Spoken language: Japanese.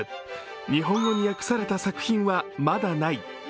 日本語に訳された作品はまだない。